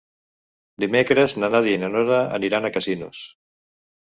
Dimecres na Nàdia i na Nora aniran a Casinos.